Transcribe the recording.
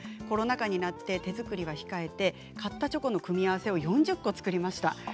コロナ禍になって手作りは控えて買ったチョコの組み合わせを４０個作りました。